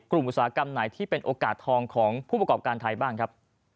อุตสาหกรรมไหนที่เป็นโอกาสทองของผู้ประกอบการไทยบ้างครับ